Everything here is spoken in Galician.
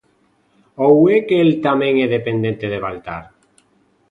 ¿Ou é que el tamén é dependente de Baltar?